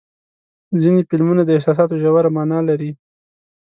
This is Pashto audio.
ځینې فلمونه د احساساتو ژوره معنا لري.